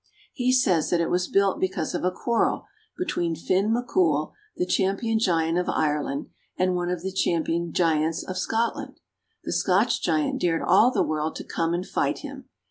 He says that it was built be cause of a quarrel between Fin McCoul, the champion giant of Ireland, and one of the champion giants of Scotland. The Scotch giant dared all the world to come and fight him.